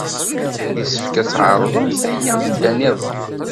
Yessefk ad tɛerḍemt aya anda niḍen.